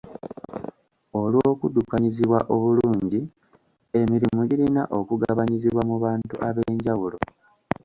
Olw'okuddukanyizibwa obulungi, emirimu girina okugabanyizibwa mu bantu ab'enjawulo.